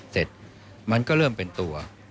เสร็จมันก็เริ่มเป็นตัว